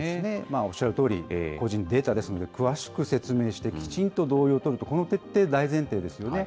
おっしゃるとおり、個人データですので、詳しく説明して、きちんと同意を取ると、この徹底、大前提ですよね。